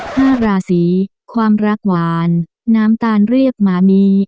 ห้าราศีความรักหวานน้ำตาลเรียกหมามี